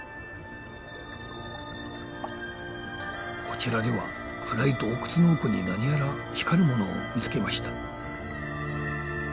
こちらでは暗い洞窟の奥に何やら光るものを見つけました。